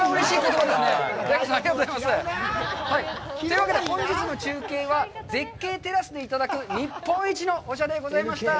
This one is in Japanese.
というわけで本日の中継は絶景テラスでいただく日本一のお茶でございました。